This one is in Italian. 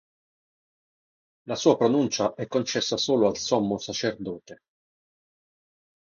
La sua pronuncia è concessa solo al Sommo sacerdote.